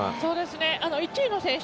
１位の選手